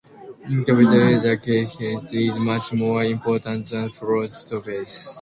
In captivity, cage height is much more important than floor space.